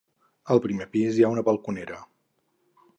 Al primer pis hi ha una balconera.